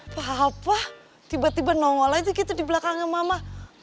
papa tiba tiba nongol aja gitu di belakangnya mama